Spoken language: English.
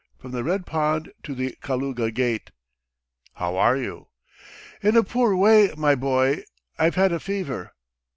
From the Red Pond to the Kaluga gate." "How are you?" "In a poor way, my boy. I've had a fever."